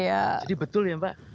jadi betul ya mbak